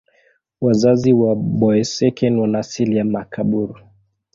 Wazazi wa Boeseken wana asili ya Makaburu.